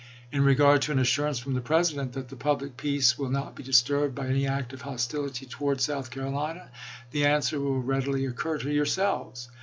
In regard to an assur ance from the President ' that the public peace will not be disturbed by any act of hostility towards South Carolina,' the answer will readily occur to yourselves.